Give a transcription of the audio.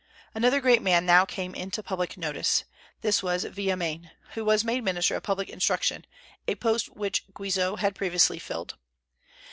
Another great man now came into public notice. This was Villemain, who was made Minister of Public Instruction, a post which Guizot had previously filled.